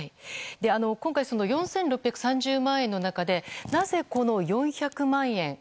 今回、４６３０万円の中でなぜ、この４００万円